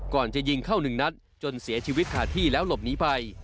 ก่อนจะยิงเข้าหนึ่งนัดจนเสียชีวิตขาดที่แล้วหลบหนีไป